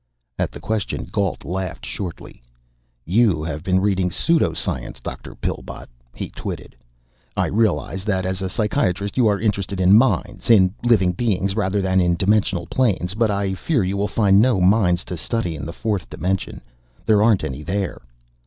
At the question, Gault laughed shortly. "You have been reading pseudo science, Dr. Pillbot," he twitted. "I realize that as a psychiatrist, you are interested in minds, in living beings, rather than in dimensional planes. But I fear you will find no minds to study in the fourth dimension. There aren't any there!"